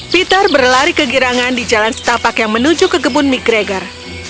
peter berlari ke girangan di jalan setapak yang menuju ke kebun mcgregor